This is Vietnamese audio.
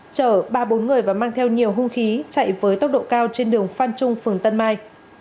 chở ba bốn người và mang theo nhiều hung khí chạy với tốc độ cao trên đường phan trung phường tân mai